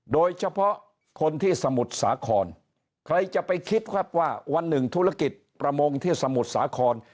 โดยเฉพาะคนที่สมุทรสาครใครจะไปคิดครับว่าวันหนึ่งธุรกิจประมงที่สมุทรสาคร